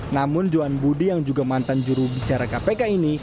namun johan budi yang juga mantan jurubicara kpk ini